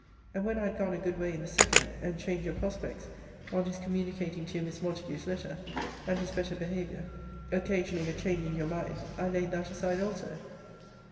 And when I had gone a good way in the SECOND, and change your prospects, on his communicating to you Miss Montague's letter, and his better behaviour, occasioning a change in your mind, I laid that aside also.